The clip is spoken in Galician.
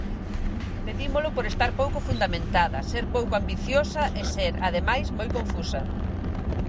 Pedímolo por estar pouco fundamentada, ser pouco ambiciosa e ser, ademais, moi confusa.